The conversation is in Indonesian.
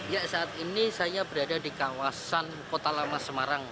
ya saat ini saya berada di kawasan kota lama semarang